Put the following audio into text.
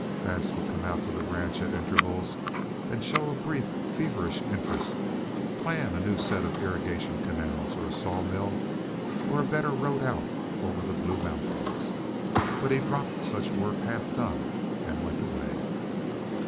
Vance would come out to the ranch at intervals and show a brief, feverish interest, plan a new set of irrigation canals, or a sawmill, or a better road out over the Blue Mountains. But he dropped such work half done and went away.